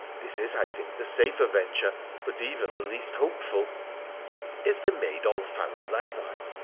This is, I think, the safer venture, but even the least hopeful.' ' Is the maid all fallow like that